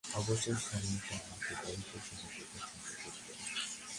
অবসর সময়টা মাকে গল্প শোনাতে পছন্দ করতেন।